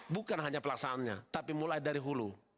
bukan hanya pelaksanaannya tapi mulai dari hulu